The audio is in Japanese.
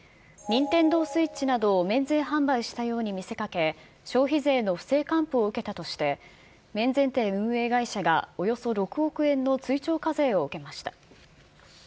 ニンテンドースイッチなどを免税販売したように見せかけ、消費税の不正還付を受けたとして、免税店運営会社がおよそ６億円の追徴課税を受けました。